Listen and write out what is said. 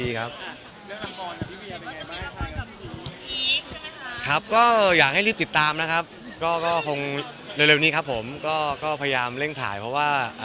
ครับก็อยากให้รีบติดตามนะครับก็คงเร็วนี้ครับผมก็พยายามเร่งถ่ายเพราะว่า